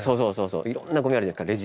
そういろんなごみあるじゃないですか